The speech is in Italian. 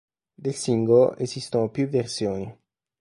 Del singolo esistono più versioni.